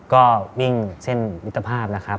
ก็วิ่งเส้นมิตรภาพนะครับ